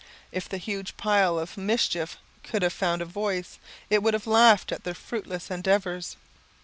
If the huge pile of mischief could have found a voice, it would have laughed at their fruitless endeavours.